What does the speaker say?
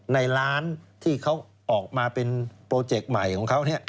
ในร้านที่เขาออกมาเป็นโปรเจกต์ใหม่ของเขา